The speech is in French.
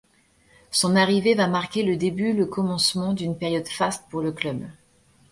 Son arrivée va marquer le début le commencement d'une période faste pour le club.